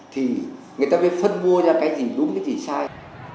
thì người ta phải phân mua ra cái gì đúng cái gì sai